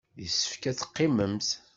Yessefk ad teqqimemt.